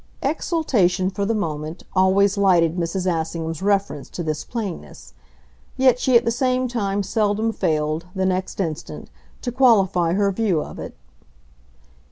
Exaltation, for the moment, always lighted Mrs. Assingham's reference to this plainness; yet she at the same time seldom failed, the next instant, to qualify her view of it.